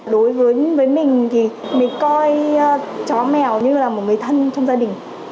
đối với mình thì mình coi chó mèo như là một người thân trong gia đình